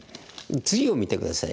次を見て下さい。